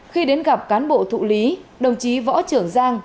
khi đến gặp cán bộ thụ lý đồng chí võ trưởng giang